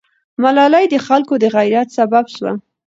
ملالۍ د خلکو د غیرت سبب سوه.